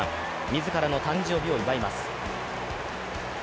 自らの誕生日を祝います。